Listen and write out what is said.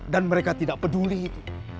dan mereka tidak peduli itu